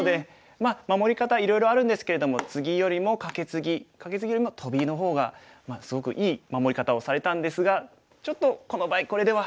まあ守り方はいろいろあるんですけれどもツギよりもカケツギカケツギよりもトビの方がすごくいい守り方をされたんですがちょっとこの場合これでは。